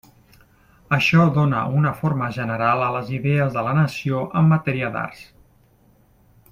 Això dóna una forma general a les idees de la nació en matèria d'arts.